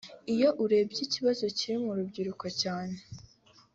Iyo urebye iki kibazo kiri mu rubyiruko cyane